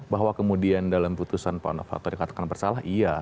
bahwa kemudian dalam putusan pak novanto dikatakan bersalah iya